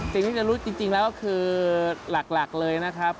สิ่งที่จะรู้จริงแล้วก็คือหลักเลยนะครับ